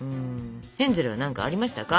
ヘンゼルは何かありましたか？